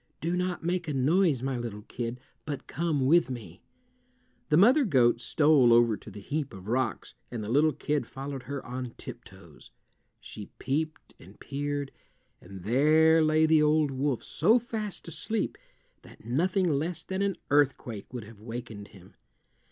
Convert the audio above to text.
Do not make a noise, my little kid, but come with me." The mother goat stole over to the heap of rocks, and the little kid followed her on tiptoes. She peeped and peered, and there lay the old wolf so fast asleep that nothing less than an earthquake would have wakened him.